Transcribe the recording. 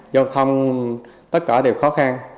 giao thông tất cả đều khó khăn